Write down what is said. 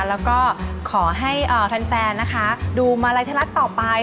แล้วก็ขอให้แฟนนะคะดูมาลัยทะลักต่อไป